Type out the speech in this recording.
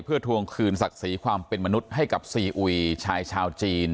เพื่อทวงคืนศักดิ์ศรีความเป็นมนุษย์ให้กับซีอุยชายชาวจีน